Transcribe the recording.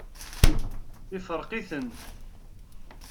Ifṛeq-iten.